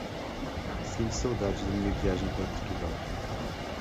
Sinto saudades da minha viagem para Portugal.